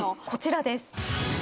こちらです。